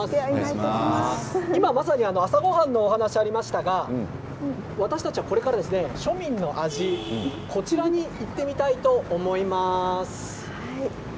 今まさに朝ごはんの話がありましたが私たちはこれから庶民の味、こちらに行ってみたいと思います。